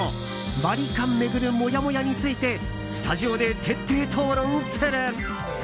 ワリカン巡るモヤモヤについてスタジオで徹底討論する。